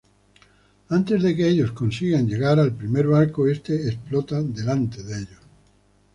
Antes de que ellos consigan llegar al primer barco este explota delante de ellos.